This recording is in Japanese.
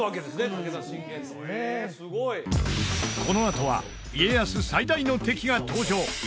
このあとは家康最大の敵が登場！